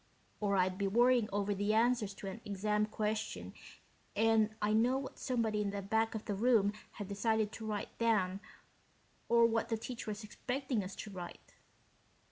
Or I'd be worrying over the answers to an exam question, and I'd know what somebody in the back of the room had decided to write down, or what the teacher was expecting us to write.